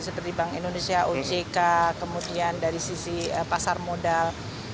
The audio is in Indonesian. seperti bank indonesia ojk kemudian dari sisi pasar modal